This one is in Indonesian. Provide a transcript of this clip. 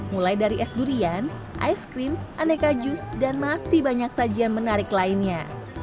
mulai dari es durian ice cream aneka jus dan masih banyak sajian menarik lainnya